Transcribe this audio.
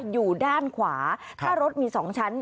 อยู่ด้านขวาถ้ารถมี๒ชั้น